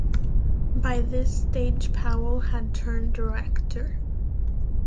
By this stage Powell had turned director.